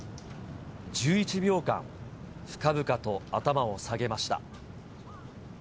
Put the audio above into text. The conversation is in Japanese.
１１秒間、深々と頭を下げました。